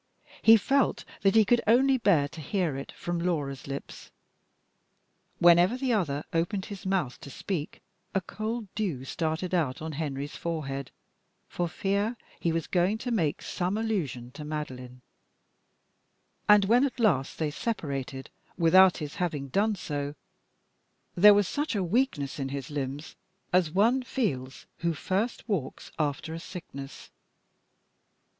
He felt that he could only bear to hear it from Laura's lips. Whenever the other opened his mouth to speak, a cold dew started out on Henry's forehead for fear he was going to make some allusion to Madeline; and when at last they separated without his having done so, there was such weakness in his limbs as one feels who first walks after a sickness.